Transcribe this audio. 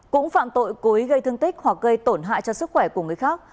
cũng phạm tội cố ý gây thương tích hoặc gây tổn hại cho sức khỏe của người khác